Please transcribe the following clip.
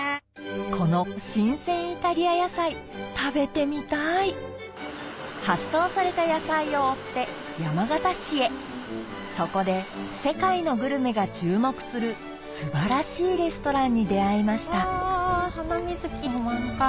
この新鮮イタリア野菜食べてみたい発送された野菜を追って山形市へそこで世界のグルメが注目する素晴らしいレストランに出合いましたハナミズキも満開。